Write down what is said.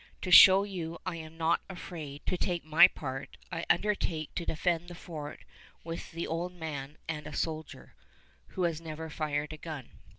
To show you I am not afraid to take my part, I undertake to defend the fort with the old man and a soldier, who has never fired a gun.